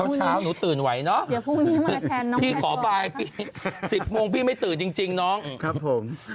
เช้าหนูตื่นไว้เนอะพี่ขอบาย๑๐โมงพี่ไม่ตื่นจริงน้องนะครับผม